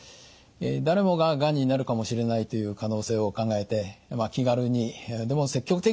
誰もががんになるかもしれないという可能性を考えて気軽にでも積極的にですね